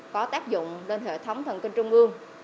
có tác dụng lên hệ thống thần kinh trung ương